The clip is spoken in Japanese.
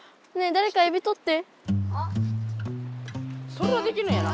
それはできねえな。